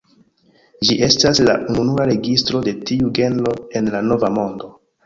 Ĝi estas la ununura registro de tiu genro en la Nova Mondo.